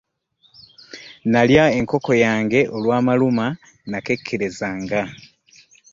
Nnalya nkoko yange olw'amaluma nnakekkerezanga.